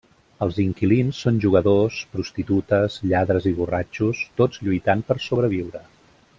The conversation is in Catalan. Els inquilins són jugadors, prostitutes, lladres i borratxos, tots lluitant per sobreviure.